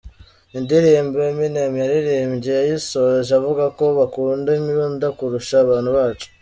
Indirimbo Eminem yaririmbye yayisoje avuga ko "bakunda imbunda kurusha abana bacu.